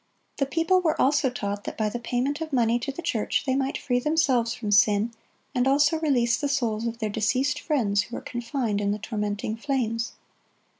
The people were also taught that by the payment of money to the church they might free themselves from sin, and also release the souls of their deceased friends who were confined in the tormenting flames.